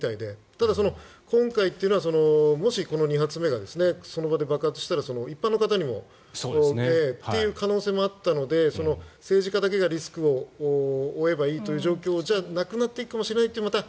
ただ、今回というのはもし２発目がその場で爆発したら一般の方にもという可能性もあったので政治家だけがリスクを負えばいいという状況じゃなくなっていくかもしれないというまた